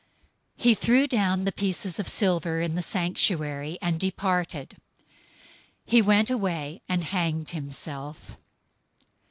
027:005 He threw down the pieces of silver in the sanctuary, and departed. He went away and hanged himself.